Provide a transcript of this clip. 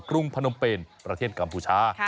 รุงพนมเป็นประเทศกัมพูชา